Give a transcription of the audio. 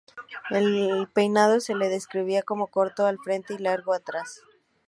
Al peinado se le describía como corto al frente y largo atrás.